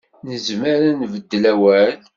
Nezmer ad nbeddel awal?